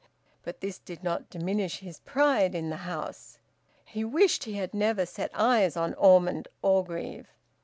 But this did not diminish his pride in the house. He wished he had never `set eyes on' Osmond Orgreave.